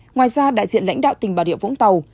ngoài ra đại diện lãnh đạo tỉnh bà rịa vũng tàu